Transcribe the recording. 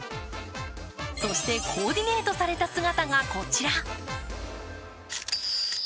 そしてコーディネートされた姿がこちら。